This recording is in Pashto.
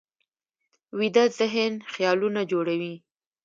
ویده ذهن خیالونه جوړوي